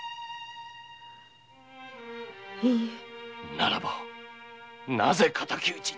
ならばなぜ敵討ちに？